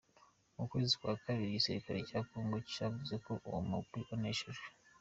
Mu kwezi kwa kabiri, igisirikare ca Kongo cavuze ko uwo mugwi waneshejwe.